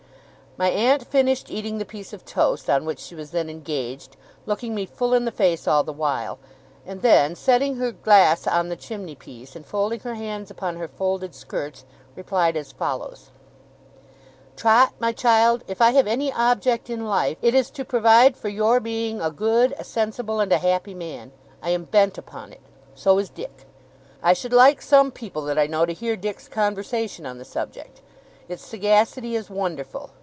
My aunt finished eating the piece of toast on which she was then engaged, looking me full in the face all the while; and then setting her glass on the chimney piece, and folding her hands upon her folded skirts, replied as follows: 'Trot, my child, if I have any object in life, it is to provide for your being a good, a sensible, and a happy man. I am bent upon it so is Dick. I should like some people that I know to hear Dick's conversation on the subject. Its sagacity is wonderful.